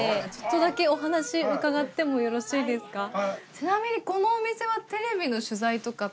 ちなみにこのお店は。